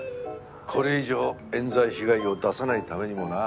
これ以上冤罪被害を出さないためにもな。